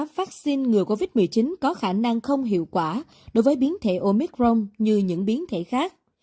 vaccine ngừa covid một mươi chín có khả năng không hiệu quả đối với biến thể omicron như những biến thể khác